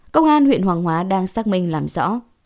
công an huyện hoàng hóa đang xác minh làm rõ